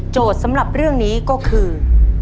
สำหรับเรื่องนี้ก็คือ